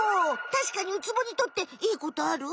たしかにウツボにとっていいことある？